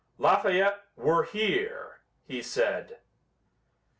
"Lafayette, we're here!" he said.